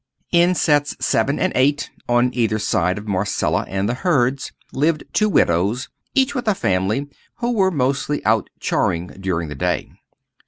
In sets 7 and 8, on either side of Marcella and the Hurds, lived two widows, each with a family, who were mostly out charing during the day.